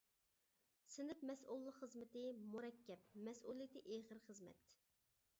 سىنىپ مەسئۇللۇق خىزمىتى مۇرەككەپ مەسئۇلىيىتى ئېغىر خىزمەت.